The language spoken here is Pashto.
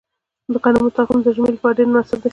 د غنمو تخم د ژمي لپاره ډیر مناسب دی.